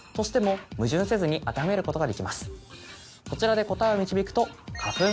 こちらで答えを導くと。